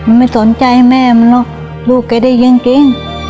มันไม่สนใจแม่มันหรอกลูกแกได้ยิน